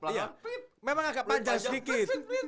iya memang agak panjang sedikit